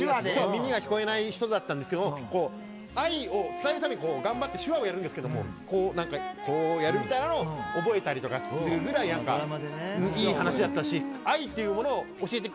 耳が聞こえない人だったんですけど愛を伝えるために頑張って手話をやるんですけどもこうやるみたいなのを覚えたりとかするぐらい何かいい話だったし愛っていうものを教えてくれたドラマです。